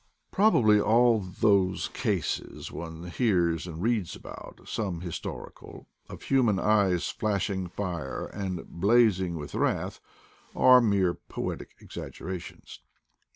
' Probably all those cases one hears and reads about — some historical — of human eyes flashing fire and blazing with wrath, are mere poetic exag gerations.